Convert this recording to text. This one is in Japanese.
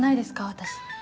私。